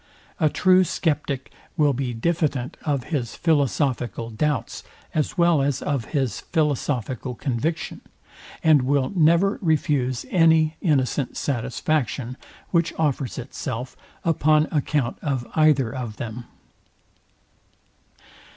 A true sceptic will be diffident of his philosophical doubts, as well as of his philosophical conviction; and will never refuse any innocent satisfaction, which offers itself, upon account of either of them.